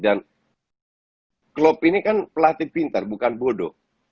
dan klopp ini kan pelatih pintar bukan bodoh